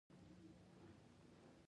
تر هغه یوه هفته وروسته سید داسې ښکارېده.